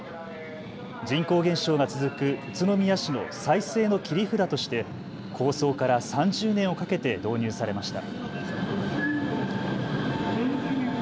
人口減少が続く宇都宮市の再生の切り札として構想から３０年をかけて導入されました。